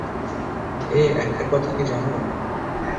এ-একটা কথা কি জানো?